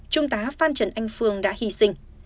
trung tá phan trần anh phương đã hy sinh